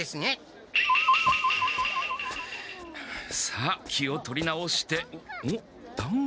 さあ気を取り直してん！？